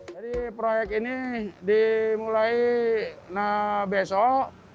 jadi proyek ini dimulai besok